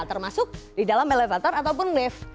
termasuk di dalam elevator ataupun lift